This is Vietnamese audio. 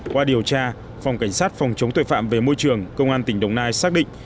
qua điều tra phòng cảnh sát phòng chống tội phạm về môi trường công an tỉnh đồng nai xác định